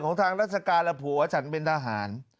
ของทางราชกาลหรือผู้อาจันทร์เป็นทหาร